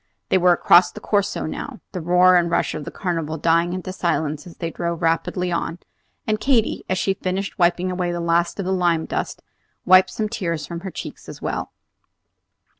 They were across the Corso now, the roar and rush of the Carnival dying into silence as they drove rapidly on; and Katy, as she finished wiping away the last of the lime dust, wiped some tears from her cheeks as well.